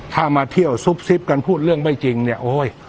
ถ้ามาเที่ยวซุบซิบกันพูดเรื่องไม่จริงเนี่ยโอ๊ย